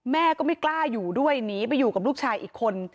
แม่ก็ไม่กล้าอยู่ด้วยหนีไปอยู่กับลูกชายอีกคน